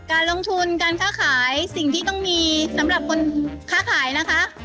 การลงทุนการค้าขายสิ่งที่ต้องมีสำหรับคนค้าขายนะคะ